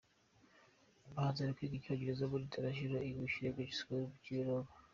Uyu muhanzi ari kwiga Icyongereza muri International English Language School ku Kimironko.